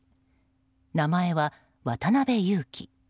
名前は、渡辺優樹。